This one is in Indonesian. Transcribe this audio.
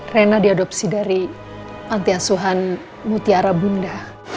rina diadopsi dari pantai asuhan mutiara bunda